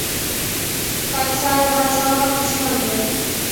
پاکستان دي افغانستان غټ دښمن ده